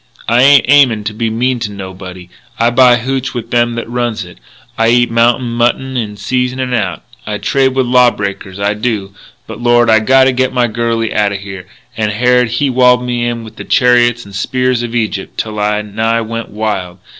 I ain't aimin' to be mean to nobody. I buy hootch of them that runs it. I eat mountain mutton in season and out. I trade with law breakers, I do. But, Lord, I gotta get my girlie outa here; and Harrod he walled me in with the chariots and spears of Egypt, till I nigh went wild....